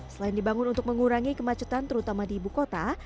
selain dibangun untuk mengurangi kemacetan terutama di ibu kota